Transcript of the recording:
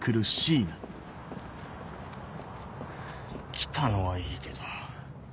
来たのはいいけど。